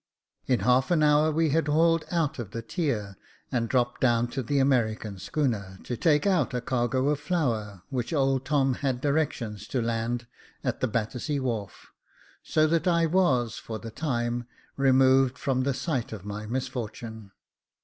In half an hour we had hauled out of the tier and dropped down to the American schooner, to take out a cargo of flour, which old Tom had directions to land at the Battersea wharf; so that I was, for the time, removed from the site of my misfortune.